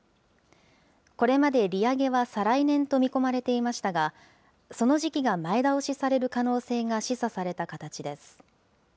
これまで利上げは再来年と見込まれていましたが、その時期が前倒しされる可能性が示唆された形です。